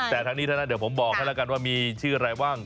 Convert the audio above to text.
แต่ทั้งนี้แล้วเดี๋ยวผมบอกแทนกันว่ามีชื่ออะไรว่าง